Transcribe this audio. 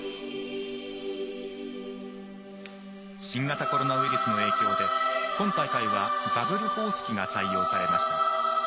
新型コロナウイルスの影響で今大会はバブル方式が採用されました。